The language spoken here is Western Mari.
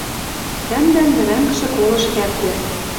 Тӓмдӓн вӹрӓнгшӹ колыш кӓпдӓ